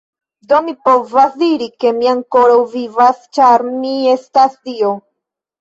Do mi povas diri, ke mi ankoraŭ vivas, ĉar mi estas dio.